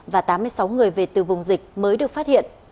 và tám mươi sáu người về từ vùng dịch mới được phát hiện